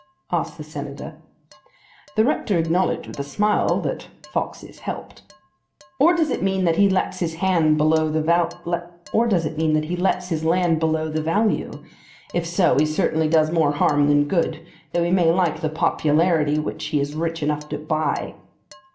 asked the Senator. The rector acknowledged with a smile that foxes helped. "Or does it mean that he lets his land below the value? If so, he certainly does more harm than good, though he may like the popularity which he is rich enough to buy."